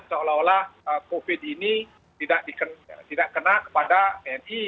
seolah olah covid ini tidak kena kepada tni